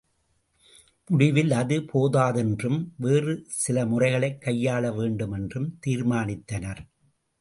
முடிவில் அது போதாதென்றும், வேறு சிலமுறைகளைக் கையாள வேண்டும் என்றும் தீர்மானித்தனர்.